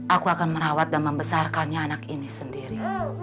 aku akan merawat dan membesarkannya anak ini sendiri